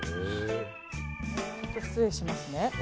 失礼します。